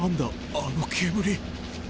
あの煙。